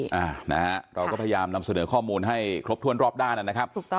พบตรบเราพยายามนำเสนอข้อมูลให้ครบถ้วนรอบด้านนะครับ